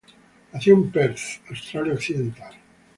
Nació en Perth, Australia Occidental.